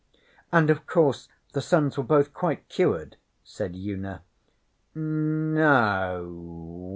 'And, of course, the sons were both quite cured?' said Una. 'No o.